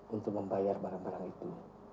untuk membayar barang barang itu